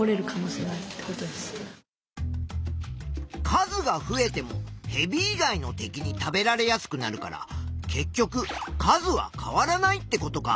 数が増えてもヘビ以外の敵に食べられやすくなるから結局数は変わらないってことか。